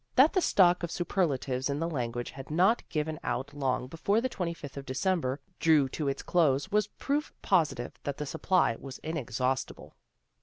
That the stock of superlatives in the language had not given out long before the twenty fifth of December drew to its close was proof positive that the supply was inexhaustible.